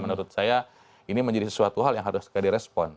menurut saya ini menjadi sesuatu hal yang harus segera direspon